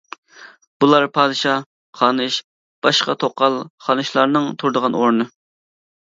بۇلار پادىشاھ، خانىش، باشقا توقال خانىشلارنىڭ تۇرىدىغان ئورنى.